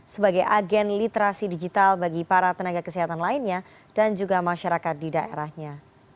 sebagai agen literasi digital bagi para tenaga kesehatan lainnya dan juga masyarakat di daerahnya